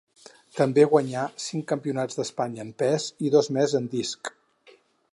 També guanyà cinc campionats d'Espanya en pes i dos més en disc.